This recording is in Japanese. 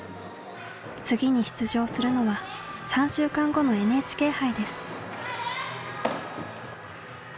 次に出場するのは３週間後のＮＨＫ杯です。